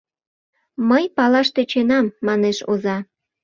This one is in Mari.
— Мый палаш тӧченам, — манеш оза.